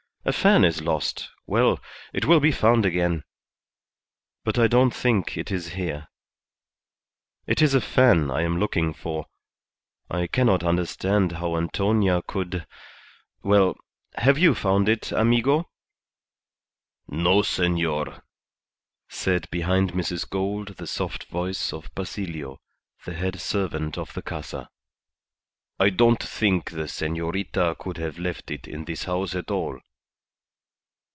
A fan is lost; well, it will be found again. But I don't think it is here. It is a fan I am looking for. I cannot understand how Antonia could Well! Have you found it, amigo?" "No, senor," said behind Mrs. Gould the soft voice of Basilio, the head servant of the Casa. "I don't think the senorita could have left it in this house at all."